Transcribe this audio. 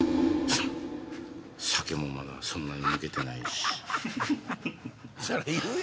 酒もまだそんなに抜けてないし。